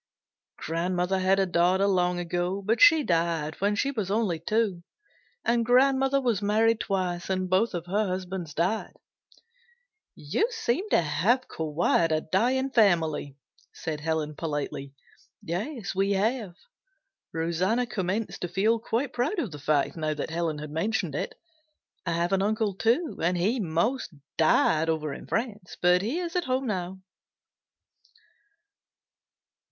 "Grandmother had a daughter long ago, but she died when she was only two, and grandmother was married twice and both her husbands died." "You seem to have quite a dying family," said Helen politely. "Yes, we have." Rosanna commenced to feel quite proud of the fact now that Helen had mentioned it. "I have an uncle too, and he 'most died over in France but he is home now."